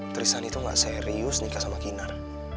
trisan itu gak serius nikah sama kinar